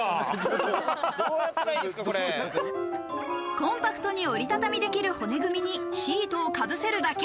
コンパクトに折り畳みできる骨組みにシートを被せるだけ。